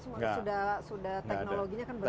atau sudah teknologinya kan berbeda